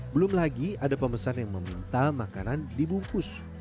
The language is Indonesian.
belum lagi ada pemesan yang meminta makanan dibungkus